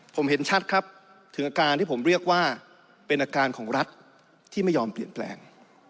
ผมเห็นชัดครับถึงอาการที่ผมเรียกว่าเป็นอาการของรัฐที่ไม่ยอมเปลี่ยนแปลง